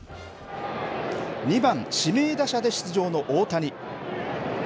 ２番指名打者で出場の大谷。